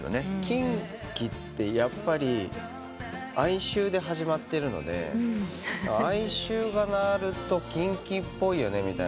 キンキってやっぱり哀愁で始まってるので哀愁が鳴るとキンキっぽいよねみたいな。